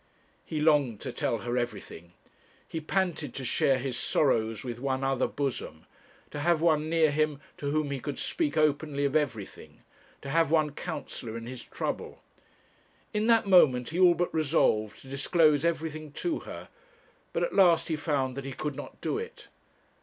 He longed to tell her everything. He panted to share his sorrows with one other bosom; to have one near him to whom he could speak openly of everything, to have one counsellor in his trouble. In that moment he all but resolved to disclose everything to her, but at last he found that he could not do it.